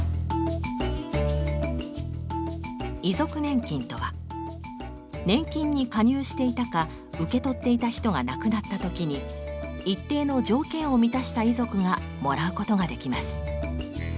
遺族年金とは年金に加入していたか受け取っていた人が亡くなった時に一定の条件を満たした遺族がもらうことができます。